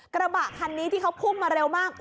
กระบะคันนี้ที่เขาพุ่งมาเร็วมาก